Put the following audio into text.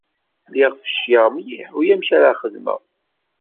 Lliɣ fecleɣ mliḥ, ulamek ara xedmeɣ.